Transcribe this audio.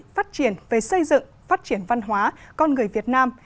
phát triển về xây dựng phát triển văn hóa con người việt nam